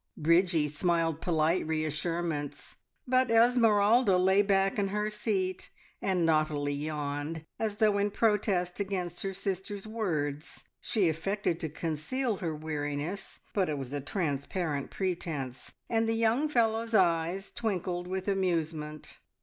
Bridgie smiled polite reassurements, but Esmeralda lay back in her seat and naughtily yawned, as though in protest against her sister's words. She affected to conceal her weariness, but it was a transparent pretence, and the young fellow's eyes twinkled with amusement.